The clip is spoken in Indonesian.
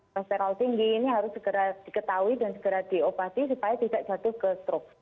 resterol tinggi harus segera diketahui dan segera diobati supaya tidak jatuh stroke